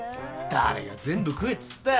誰が全部食えっつったよ。